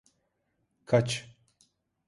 Kaç!